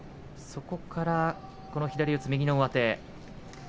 そこから左四つ、右の上手。